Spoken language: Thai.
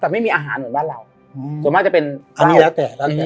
แต่ี่ไม่มีอาหารเหมือนบ้านเรา